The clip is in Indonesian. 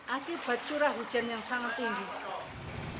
akibat curah hujan yang sangat tinggi